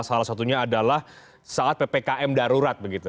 salah satunya adalah saat ppkm darurat begitu